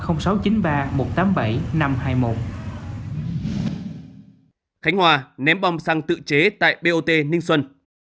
khánh hòa ném bom xăng tự chế tại bot ninh xuân